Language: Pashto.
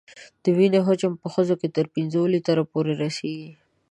د وینې حجم په ښځو کې تر پنځو لیترو پورې رسېږي.